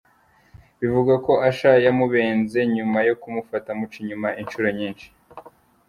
Bivugwa ko Usher yamubenze nyuma yo kumufata amuca inyuma inshuro nyinshi.